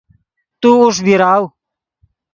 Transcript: تو اوݰ بیراؤ